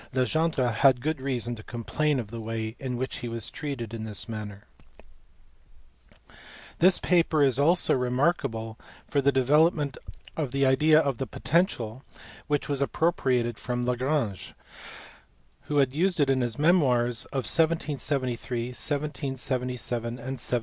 Legendre had good reason to complain of the way in which he was treated in this matter. This paper is also remarkable for the development of the idea of the potential, which was appropriated from Lagrange* who had used it in his memoirs of 1773, 1777, and 1780.